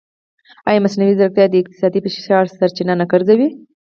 ایا مصنوعي ځیرکتیا د اقتصادي فشار سرچینه نه ګرځي؟